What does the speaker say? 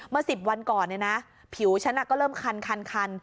เมื่อ๑๐วันก่อนนะผิวฉันก็เริ่มคัน